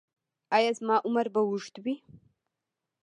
ایا زما عمر به اوږد وي؟